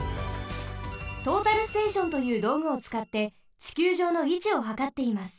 トータルステーションというどうぐをつかってちきゅうじょうのいちをはかっています。